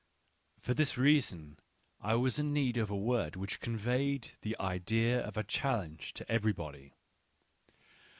For this reason I was in need of a word which conveyed the idea of a challenge to everybody.